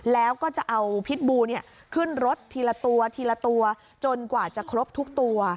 แล้วก็จะเอาพิษบูขึ้นรถทีละตัวทีละตัวจนกว่าจะครบทุกตัว